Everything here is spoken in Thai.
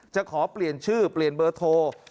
จะขอเปลี่ยนชื่อเปลี่ยนเบอร์โทร